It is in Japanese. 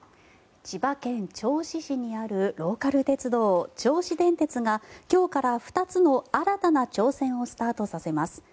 千葉県銚子市にあるローカル鉄道、銚子電鉄が今日から２つの新たな挑戦をスタートさせます。